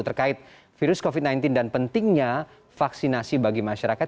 terkait virus covid sembilan belas dan pentingnya vaksinasi bagi masyarakat